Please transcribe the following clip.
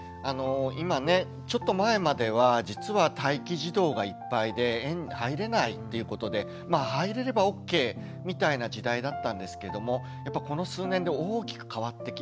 今ねちょっと前までは実は待機児童がいっぱいで園に入れないということで入れればオッケーみたいな時代だったんですけれどもこの数年で大きく変わってきました。